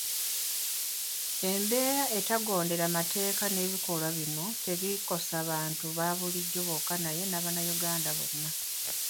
Embeera etagondera mateeka n’ebikolwa bino tebikosa bantu baabulijjo bokka naye Bannayuganda bonna.